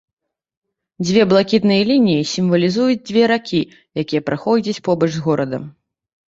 Дзве блакітныя лініі сімвалізуюць дзве ракі, якія праходзяць побач з горадам.